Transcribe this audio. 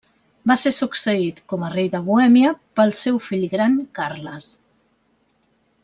Va ser succeït com a rei de Bohèmia pel seu fill gran Carles.